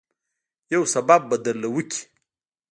يو سبب به درله وکي.